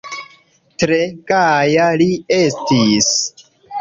Tre gaja li estis.